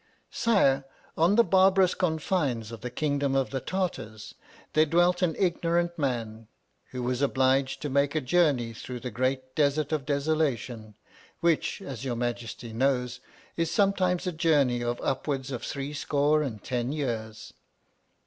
Sire, on the barbarous confines of the kingdom of the Tartars, there dwelt an ignorant man, who was obliged to make a journey through the Great Desert of Desola tion ; which, as your Majesty knows, is some times a journey of upwards of three score and ten years.